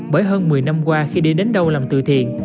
bởi hơn một mươi năm qua khi đi đến đâu làm từ thiện